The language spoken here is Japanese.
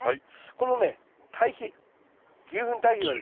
このね堆肥牛ふん堆肥はですね